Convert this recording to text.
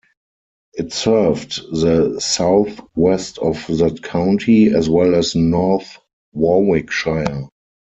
It served the south-west of that county, as well as North Warwickshire.